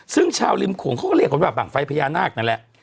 ซึ่งชาวริมโขงเขาก็เรียกกันว่าบ้างไฟพญานาคนั่นแหละ